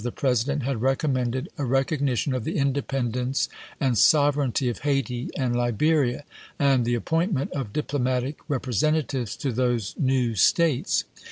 the President had recommended a recognition of the independence and sovereignty of Hayti and Liberia, and the appointment of diplomatic repre sentatives to those new States.